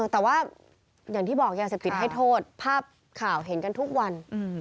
แต่ว่าอย่างที่บอกยาเสพติดให้โทษภาพข่าวเห็นกันทุกวัน